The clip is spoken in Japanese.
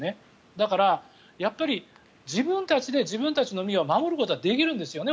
だから、やっぱり自分たちで自分たちの身を守ることはできるんですよね。